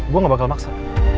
gue gak bakal maksa